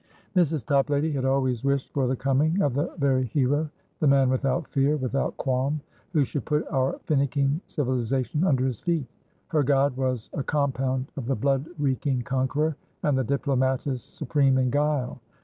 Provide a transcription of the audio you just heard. Mrs. Toplady had always wished for the coming of the very hero, the man without fear, without qualm, who should put our finicking civilisation under his feet. Her god was a compound of the blood reeking conqueror and the diplomatist supreme in guile.